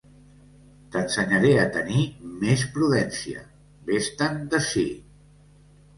T'ensenyaré a tenir més prudència! Vés-te'n d'ací!